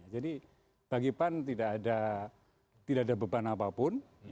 jadi bagi pan tidak ada beban apapun